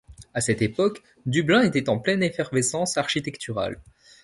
À cette époque, Dublin était en pleine effervescence architecturale.